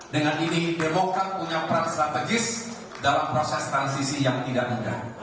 dengan ini demokrat punya peran strategis dalam proses transisi yang tidak mudah